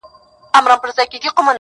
هر انسان د بدلون ځواک لري.